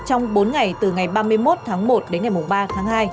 trong bốn ngày từ ngày ba mươi một tháng một đến ngày ba tháng hai